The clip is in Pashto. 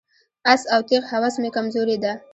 آس او تیغ هوس مې کمزوري ده.